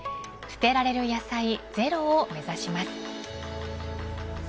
捨てられる野菜ゼロを目指します。